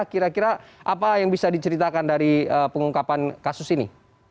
kira kira apa yang bisa diceritakan dari pengungkapan kasus ini